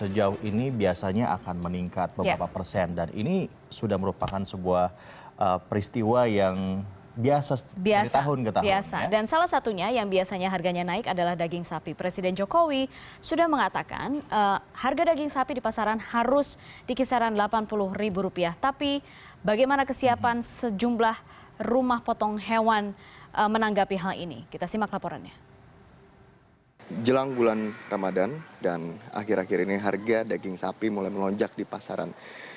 jelang bulan ramadhan dan akhir akhir ini harga daging sapi mulai melonjak di pasaran